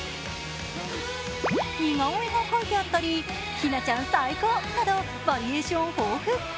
似顔絵が描いてあったり、「ひなちゃんサイコー」など、バリエーション豊富。